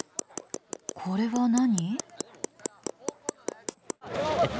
これは何？